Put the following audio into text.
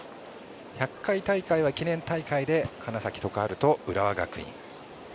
１００回大会は記念大会で花咲徳栄と浦和学院。